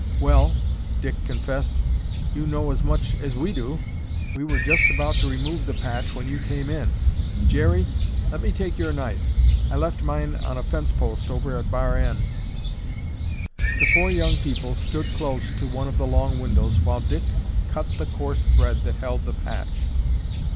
"Well," Dick confessed, "you know now as much as we do. We were just about to remove the patch when you came in. Jerry, let me take your knife. I left mine on a fence post over at Bar N." The four young people stood close to one of the long windows while Dick cut the coarse thread that held the patch.